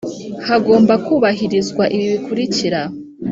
hagomba kubahirizwa ibi bikurikira